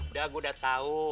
udah gue udah tau